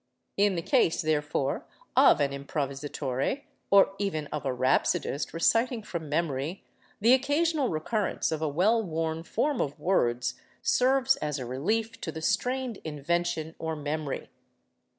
In the case, therefore, of an improvisatore, or even of a rhapsodist reciting from memory, the occasional recurrence of a well worn form of words serves as a relief to the strained invention or memory.